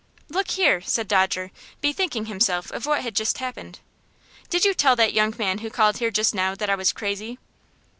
"Look here," said Dodger, bethinking himself of what had just happened. "Did you tell that young man who called here just now that I was crazy?"